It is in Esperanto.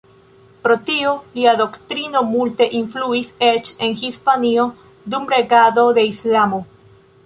Pro tio, lia doktrino multe influis eĉ en Hispanio dum regado de Islamo.